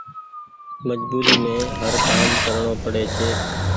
مجبوري مين هر ڪآم ڪرڻو پڙي ڇي۔